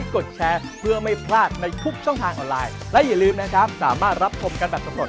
ก็คืออร่อยมาก